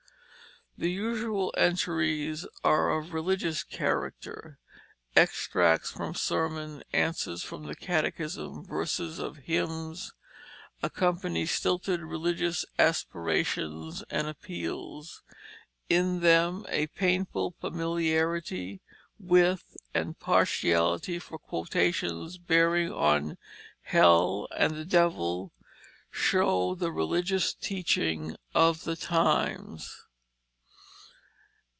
The usual entries are of a religious character; extracts from sermons, answers from the catechism, verses of hymns, accompany stilted religious aspirations and appeals. In them a painful familiarity with and partiality for quotations bearing on hell and the devil show the religious teaching of the times.